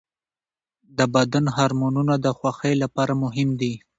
د بدن هورمونونه د خوښۍ لپاره مهم دي.